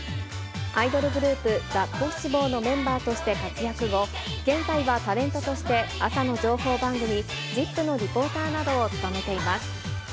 アイドルグループ、ＴＨＥポッシボーのメンバーとして活躍後、現在はタレントとして、朝の情報番組、ＺＩＰ！のリポーターなどを務めています。